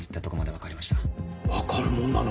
分かるもんなの？